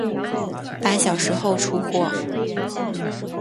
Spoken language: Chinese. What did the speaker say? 八小时后出货